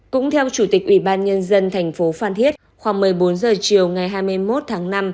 cũng theo chủ tịch ủy ban nhân dân thành phố phan thiết khoảng một mươi bốn h chiều ngày hai mươi một tháng năm